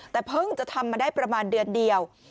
แต่เพิ่งจะทำมาได้ประมาณเดือนเดียว